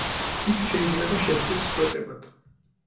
იგი შეიძლება შედგეს სვეტებად.